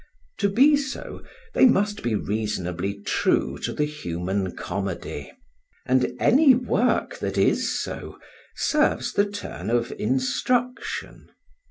To be so, they must be reasonably true to the human comedy; and any work that is so serves the turn of instruction.